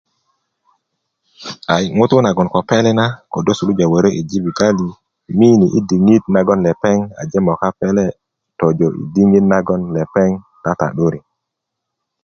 ayi ŋutu nagon ko pele na kodo suluja wörö i jubitali diŋit nagon lepeŋ a moka pele tojo i diŋit nagon lepeŋ tata'duni